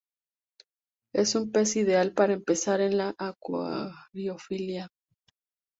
Es un pez ideal para empezar en la acuariofilia.